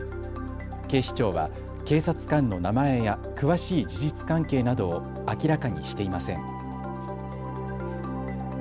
警視庁は警察官の名前や詳しい事実関係などを明らかにしていません。